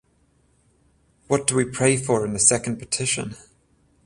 What do we pray for in the second petition?